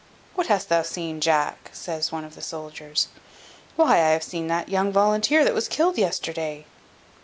"What hast thou seen, Jack?" says one of the soldiers. "Why, I have seen the young volunteer that was killed yesterday."